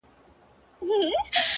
• د ملا لوري نصيحت مه كوه ـ